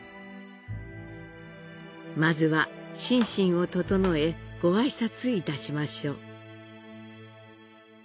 まずは心身を調えご挨拶いたしましょう。